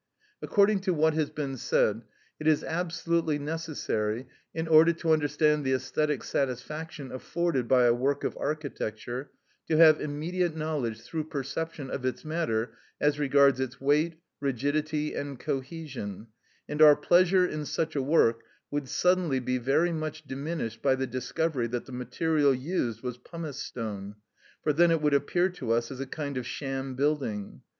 According to what has been said, it is absolutely necessary, in order to understand the æsthetic satisfaction afforded by a work of architecture, to have immediate knowledge through perception of its matter as regards its weight, rigidity, and cohesion, and our pleasure in such a work would suddenly be very much diminished by the discovery that the material used was pumice stone; for then it would appear to us as a kind of sham building.